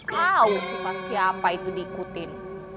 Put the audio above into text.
gak tau sifat siapa itu diikutin